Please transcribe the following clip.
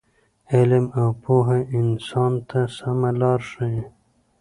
علم او پوهه انسان ته سمه لاره ښیي.